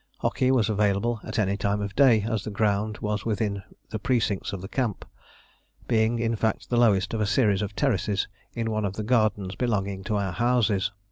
Hockey was available at any time of day, as the ground was within the precincts of the camp, being in fact the lowest of a series of terraces in one of the gardens belonging to our houses.